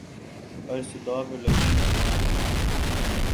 ہر صدا پر لگے ہیں کان یہاں